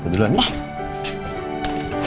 aku duluan nih